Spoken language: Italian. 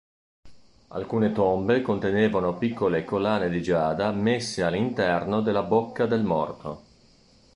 Alcune tombe contenevano piccole collane di giada messe all'interno della bocca del morto.